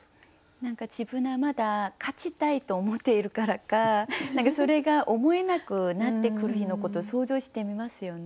何か自分がまだ勝ちたいと思っているからかそれが思えなくなってくる日のことを想像してみますよね。